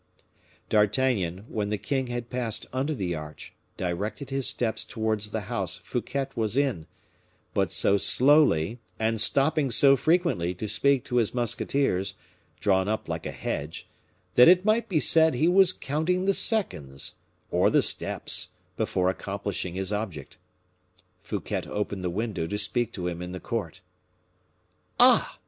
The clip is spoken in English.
D'Artagnan, when the king had passed under the arch, directed his steps towards the house Fouquet was in; but so slowly, and stopping so frequently to speak to his musketeers, drawn up like a hedge, that it might be said he was counting the seconds, or the steps, before accomplishing his object. Fouquet opened the window to speak to him in the court. "Ah!"